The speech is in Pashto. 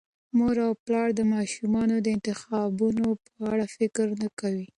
مور او پلار د ماشومانو د انتخابونو په اړه فکر نه کوي.